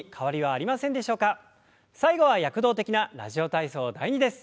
最後は躍動的な「ラジオ体操第２」です。